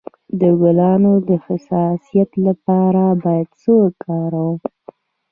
د ګلانو د حساسیت لپاره باید څه وکاروم؟